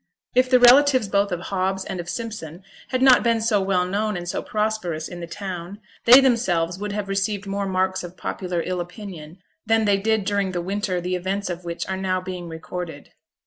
If the relatives both of Hobbs and of Simpson had not been so well known and so prosperous in the town, they themselves would have received more marks of popular ill opinion than they did during the winter the events of which are now being recorded.